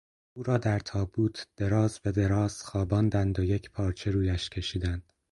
او را در تابوت دراز به دراز خواباندند و یک پارچه رویش کشیدند.